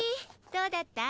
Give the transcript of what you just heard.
どうだった？